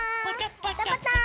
パタパター！